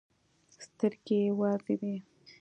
سترګې يې وازې وې.